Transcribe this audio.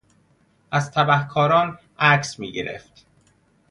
از تبهکاران عکس میگرفت.